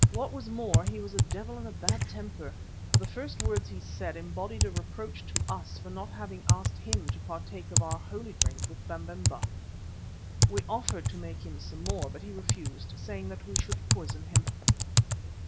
What was more, he was a devil in a bad temper, for the first words he said embodied a reproach to us for not having asked him to partake of our "holy drink" with Babemba. We offered to make him some more, but he refused, saying that we should poison him.